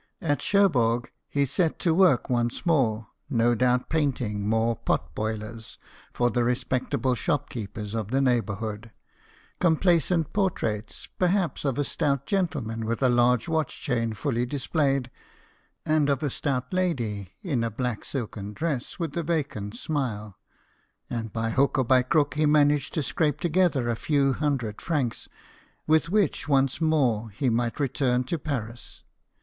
At Cherbourg, he set to work once more, no doubt painting more " pot boilers " for the respectable shop keepers of the neighbourhood complacent por traits, perhaps, of a stout gentleman with a large watch chain fully displayed, and of a stout lady in a black silk dress and with a vacant smile ; and by hook or by crook he managed to scrape together a few hundred francs, with which once more he might return to Paris.